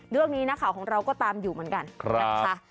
เรื่องนี้นักข่าวของเราก็ตามอยู่เหมือนกันนะคะ